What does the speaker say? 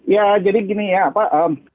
ya jadi gini ya pak